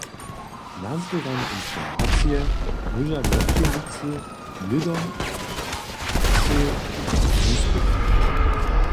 Nazběrane informacije móža wobdźělnicy hnydom w praksy wuspytać.